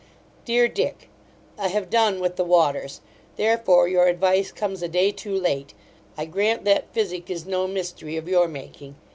DEAR DICK, I have done with the waters; therefore your advice comes a day too late I grant that physic is no mystery of your making.